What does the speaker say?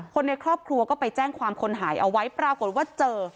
คนในครอบครัวก็ไปแจ้งความคนหายเอาไว้ปรากฏว่าเจอ